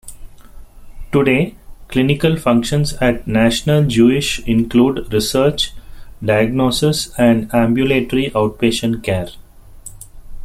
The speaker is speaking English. Today, clinical functions at National Jewish include research, diagnosis, and ambulatory outpatient care.